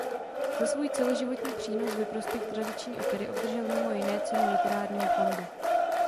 Za svůj celoživotní přínos ve prospěch tradiční opery obdržel mimo jiné Cenu Literárního fondu.